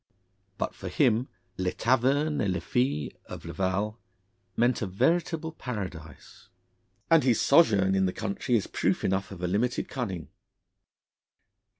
But for him 'les tavernes et les filles' of Laval meant a veritable paradise, and his sojourn in the country is proof enough of a limited cunning.